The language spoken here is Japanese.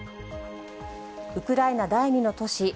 ウクライナ第２の都市